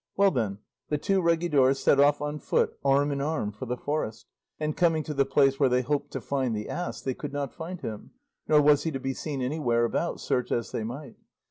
Well then, the two regidors set off on foot, arm in arm, for the forest, and coming to the place where they hoped to find the ass they could not find him, nor was he to be seen anywhere about, search as they might.